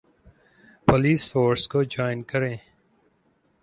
police force کو join کر